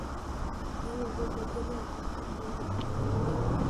بیا یې اوبه بدلې او پاخه کړئ د پخولو لپاره.